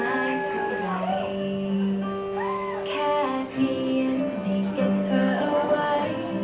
และอาจจะสูญเสียเธอไป